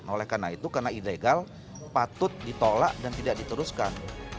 oleh karena itu karena ilegal patut ditolak dan tidak diteruskan